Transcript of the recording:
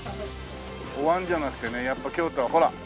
お椀じゃなくてねやっぱ京都はほら。